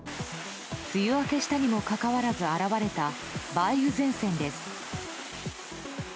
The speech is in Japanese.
梅雨明けしたにもかかわらず現れた梅雨前線です。